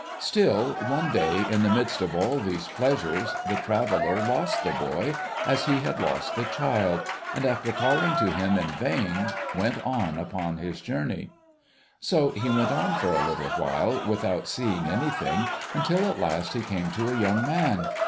Still, one day, in the midst of all these pleasures, the traveller lost the boy as he had lost the child, and, after calling to him in vain, went on upon his journey. So he went on for a little while without seeing anything, until at last he came to a young man.